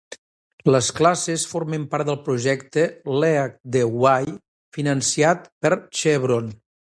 Les classes formen part del projecte Lead the Way, finançat per Chevron.